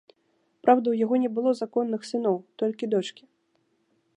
Праўда, у яго не было законных сыноў, толькі дочкі.